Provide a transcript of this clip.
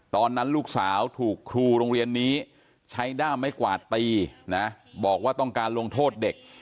ตอนนั้นลูกสาวถูกครูโรงเรียนนี้ใช้ด้ามไม้กวาดตีนะบอกว่าต้องการลงโทษเด็ก